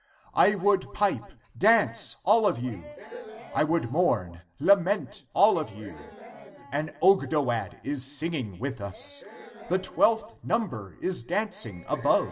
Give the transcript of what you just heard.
I would pipe, dance all of you ! Amen. I would mourn, lament all of you ! Amen.'^ An Ogdoad is singing with us. Amen. The Twelfth number is dancing above.